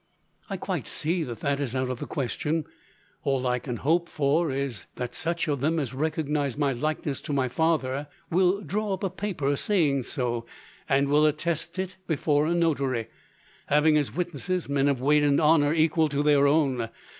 "I quite see that that is out of the question. All I can hope for is, that such of them as recognize my likeness to my father will draw up a paper saying so, and will attest it before a notary, having as witnesses men of weight and honour equal to their own.